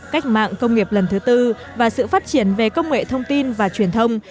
cách mạng công nghiệp lần thứ tư và sự phát triển về công nghệ thông tin và truyền thông